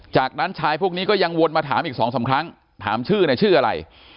จากนั้นชายพวกนี้ก็ยังวนมาถามอีกสองสามครั้งถามชื่อเนี่ยชื่ออะไร